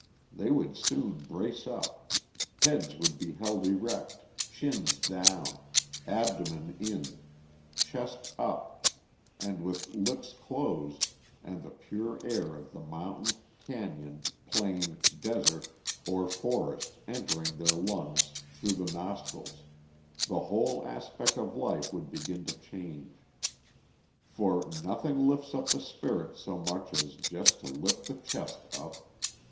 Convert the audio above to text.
They would soon brace up; heads would be held erect, chins down, abdomen in, chest up, and with lips closed, and the pure air of the mountain, canyon, plain, desert, or forest entering their lungs through the nostrils; the whole aspect of life would begin to change. For "nothing lifts up the spirits so much as just to lift the chest up.